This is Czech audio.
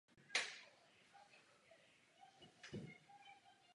Komise byla pevně integrována do francouzské invazní armády.